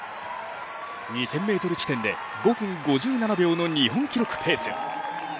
２０００ｍ地点で５分５７秒の日本記録ペース。